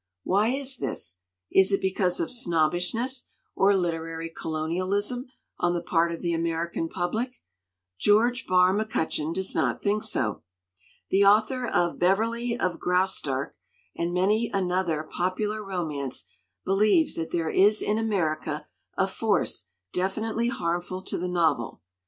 Why is this? Is it because of snobbishness or literary colonialism on the part of the American public? George Barr McCutcheon does not think so. The author of Beverly of Graustark and many another popular romance believes that there is in America a force definitely harmful to the novel.